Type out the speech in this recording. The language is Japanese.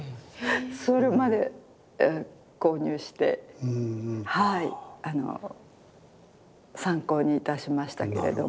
それまで購入してはい参考にいたしましたけれども。